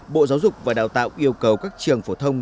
bộ giáo dục và đào tạo yêu cầu các trường phổ thông